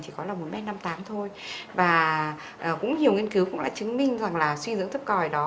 chỉ có là một m năm mươi tám thôi và cũng nhiều nghiên cứu cũng đã chứng minh rằng là suy dưỡng thấp còi đó